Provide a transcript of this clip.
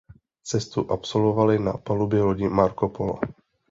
Cestu absolvovali na palubě lodi Marco Polo.